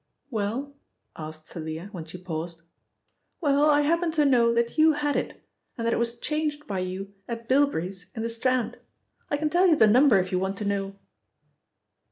"Well?" asked Thalia when she paused. "Well, I happen to know that you had it and that it was changed by you at Bilbury's in the Strand. I can tell you the number if you want to know."